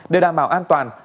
để đảm bảo an toàn